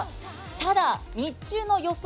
ただ、日中の予想